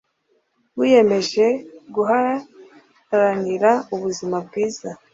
wiyemeje guharanira ubuzima bwiza